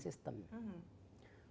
itu perbaikan sistem